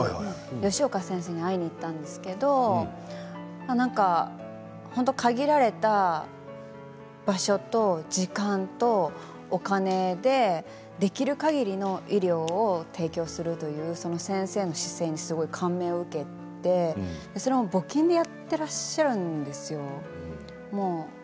吉岡先生に会いに行ったんですけどなんか本当に限られた場所と時間とお金でできるかぎりの医療を提供するというその先生の姿勢にすごく感銘を受けてそれを募金でやってらっしゃるんですよ。